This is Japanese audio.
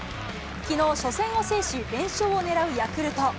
きのう、初戦を制し、連勝を狙うヤクルト。